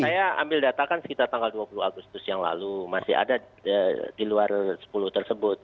saya ambil data kan sekitar tanggal dua puluh agustus yang lalu masih ada di luar sepuluh tersebut